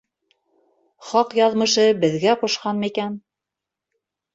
Хаҡ яҙмышы беҙгә ҡушҡан микән